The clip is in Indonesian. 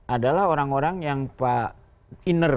adalah orang orang yang pak inner